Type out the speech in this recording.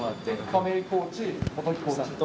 亀井コーチ、元木コーチと。